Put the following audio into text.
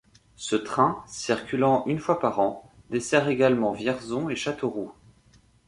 Ce train, circulant une fois par an, dessert également Vierzon et Châteauroux.